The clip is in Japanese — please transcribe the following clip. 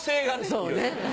そうね。